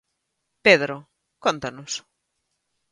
Pedro, cóntanos?